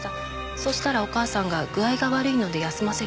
そうしたらお母さんが具合が悪いので休ませると。